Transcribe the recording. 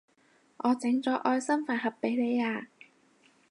我整咗愛心飯盒畀你啊